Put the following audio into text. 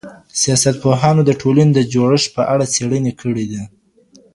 سياستپوهانو د ټولني د جوړښت په اړه څېړنې کړي دي.